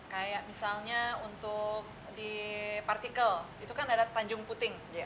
kayak misalnya untuk di partikel itu kan ada tanjung puting